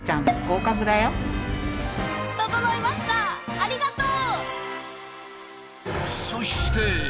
ありがとう！